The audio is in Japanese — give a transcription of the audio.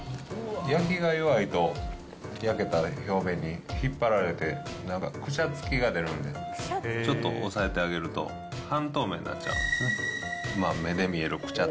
焼きが弱いと、焼けた表面に引っ張られて、なんかくちゃつきが出るんで、ちょっと押さえてあげると、半透明になっちゃうんですね。